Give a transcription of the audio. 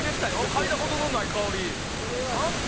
かいだことのない香りで。